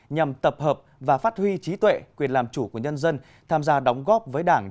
nhằm tập hợp và phát huy trí tuệ quyền làm chủ của nhân dân tham gia đóng góp với đảng